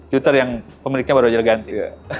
twitter yang pemiliknya baru aja ganti